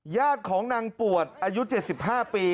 ญาติของนางปวดอายุ๗๕ปี